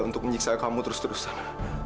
untuk menyiksa kamu terus terusan